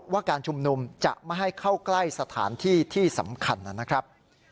ว่าการชุมนุมจะไม่ให้เข้าใกล้สถานที่ที่สำคัญนะครับ